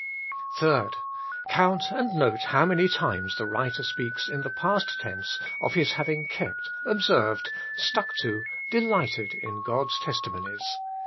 3rd. Count and note how many times the writer speaks in the past tense of his having kept, observed, stuck to, delighted in God's testimonies.